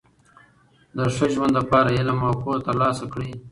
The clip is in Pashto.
د ښه ژوند له پاره علم او پوهه ترلاسه کړئ!